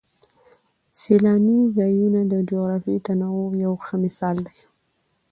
سیلاني ځایونه د جغرافیوي تنوع یو ښه مثال دی.